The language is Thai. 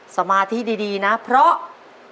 สมาธิดีนะเพราะ